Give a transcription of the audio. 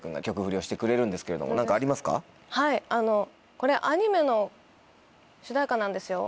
これアニメの主題歌なんですよ。